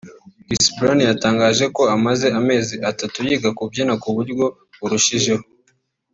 Chris Brown yatangaje ko amaze amezi atatu yiga kubyina ku buryo burushijeho